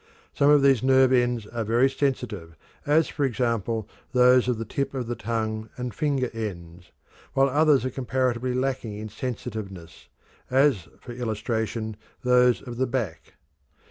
Some of these nerve ends are very sensitive, as, for example, those of the tip of the tongue and finger ends, while others are comparatively lacking in sensitiveness, as, for illustration, those of the back.